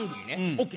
ＯＫ！